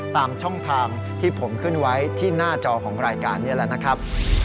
ตามช่องทางที่ผมขึ้นไว้ที่หน้าจอของรายการนี้แหละนะครับ